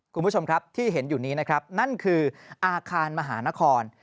คุณผู้ชมครับที่เห็นอยู่นี้นะครับนั่นคืออาคารมหานคร